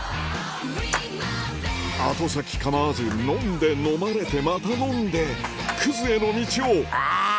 後先構わず飲んでのまれてまた飲んでクズへの道をあぁ！